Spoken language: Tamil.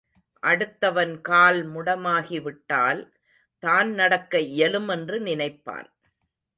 அடுத்தவன் கால் முடமாகி விட்டால், தான் நடக்க இயலும் என்று நினைப்பான்.